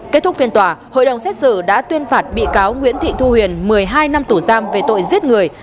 kết thúc phiên tòa hội đồng xét xử đã tuyên phạt bị cáo nguyễn thị thu huyền một mươi hai năm tù giam về tội giết người